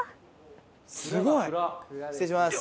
失礼します。